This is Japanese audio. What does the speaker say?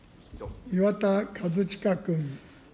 岩田和親君。